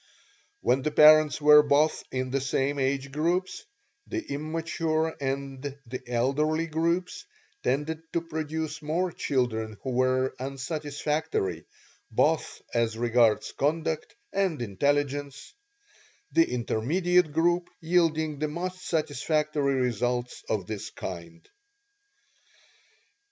When the parents were both in the same age groups, the immature and the elderly groups tended to produce more children who were unsatisfactory, both as regards conduct and intelligence the intermediate group yielding the most satisfactory results of this kind.